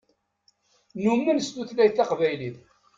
Numen s tutlayt taqbaylit.